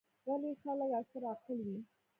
غلي خلک اکثره عاقل وي.